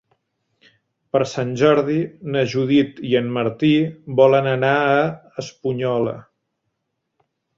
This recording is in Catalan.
Per Sant Jordi na Judit i en Martí volen anar a l'Espunyola.